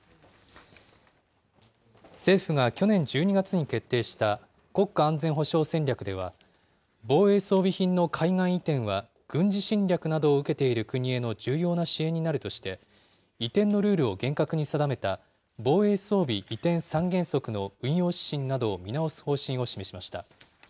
政府が去年１２月に決定した国家安全保障戦略では、防衛装備品の海外移転は、軍事侵略などを受けている国への重要な支援になるとして、移転のルールを厳格に定めた防衛装備移転三原則の運用指針などを見直す方針を示しました。